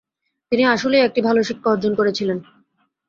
তিনি আসলেই একটি ভাল শিক্ষা অর্জন করেছিলেন।